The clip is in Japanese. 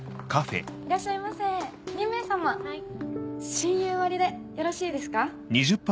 親友割でよろしいですか？